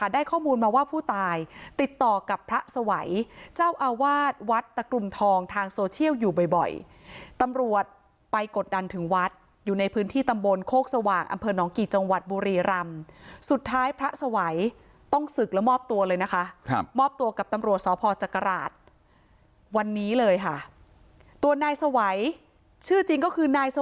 ได้ข้อมูลมาว่าผู้ตายติดต่อกับพระสวัยเจ้าอาวาสวัดตะกลุ่มทองทางโซเชียลอยู่บ่อยตำรวจไปกดดันถึงวัดอยู่ในพื้นที่ตำบลโคกสว่างอำเภอหนองกี่จังหวัดบุรีรำสุดท้ายพระสวัยต้องศึกและมอบตัวเลยนะคะครับมอบตัวกับตำรวจสพจักราชวันนี้เลยค่ะตัวนายสวัยชื่อจริงก็คือนายส